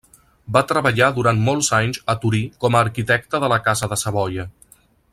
Va treballar durant molts anys a Torí com a arquitecte de la casa de Savoia.